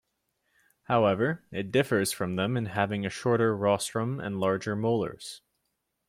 However, it differs from them in having a shorter rostrum and larger molars.